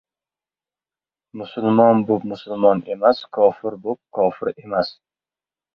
Musulmon bo‘p — musulmon emas, kofir bo‘p — kofir emas.